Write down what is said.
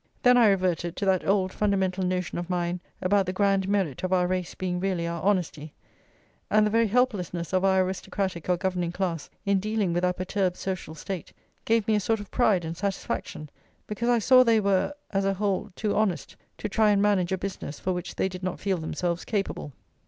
Then I reverted to that old fundamental notion of mine about the grand merit of our race being really our honesty; and the very helplessness of our aristocratic or governing class in dealing with our perturbed social state gave me a sort of pride and satisfaction, because I saw they were, as a whole, too honest to try and manage a business for which they did not feel themselves capable.